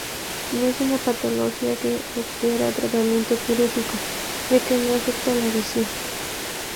No es una patología que requiera tratamiento quirúrgico ya que no afecta la visión.